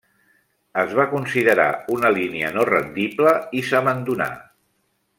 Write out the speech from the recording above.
Es va considerar una línia no rendible i s'abandonà.